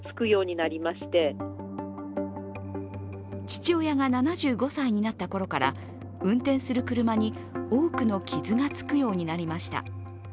父親が７５歳になった頃から運転する車に多くの傷がつくようになりました。